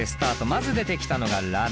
まず出てきたのがＲＡＭ。